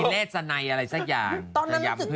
ลุยดระส่าในอะไรสักอย่าง